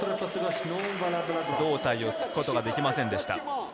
胴体を突くことができませんでした。